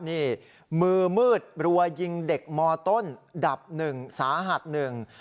นี่มือมืดรัวยิงเด็กมต้นดับหนึ่งสาหัสหนึ่ง